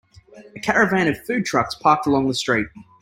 A caravan of food trucks parked along the street.